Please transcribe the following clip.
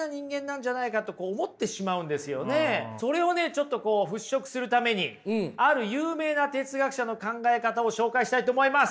ちょっと払拭するためにある有名な哲学者の考え方を紹介したいと思います！